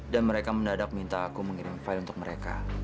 dan mereka mendadak minta aku mengirim file untuk mereka